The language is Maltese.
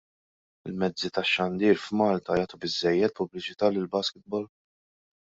Il-mezzi tax-xandir f'Malta jagħtu biżżejjed pubbliċità lill-basketball?